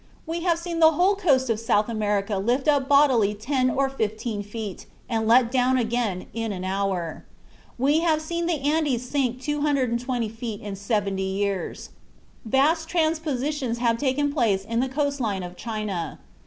We have seen the whole coast of South America lifted up bodily ten or fifteen feet and let down again in an hour. We have seen the Andes sink 220 feet in seventy years.... Vast transpositions have taken place in the coast line of China.